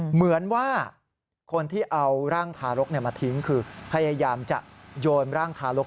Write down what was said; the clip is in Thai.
เหมือนว่าคนที่เอาร่างทารกมาทิ้งคือพยายามจะโยนร่างทารก